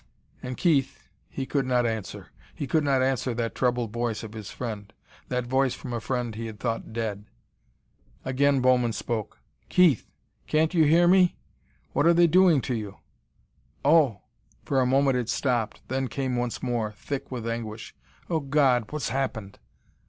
And Keith, he could not answer! He could not answer that troubled voice of his friend that voice from a friend he had thought dead. Again Bowman spoke. "Keith! Can't you hear me? What are they doing to you? Oh " For a moment it stopped, then came once more, thick with anguish. "Oh, God, what's happened?"